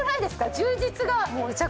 充実が。